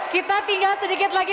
kita tinggal sedikit lagi